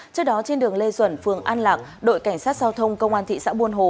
trước đó trên đường lê duẩn phường an lạc đội cảnh sát giao thông công an thị xã buôn hồ